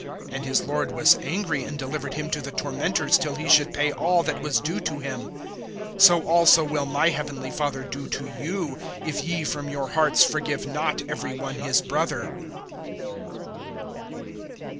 (34)And his lord was angry, and delivered him to the tormentors, till he should pay all that was due to him. (35)So also will my heavenly Father do to you, if ye from your hearts forgive not every one his brother.